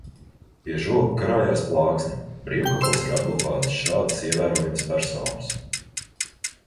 Pie žoga karājās plāksne "Brīvkapos ir apglabātas šādas ievērojamas personas".